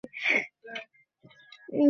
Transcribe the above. অবশেষে কহিলেন, ধ্রুব, আমি তবে যাই।